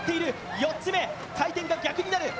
４つ目、回転が逆になる。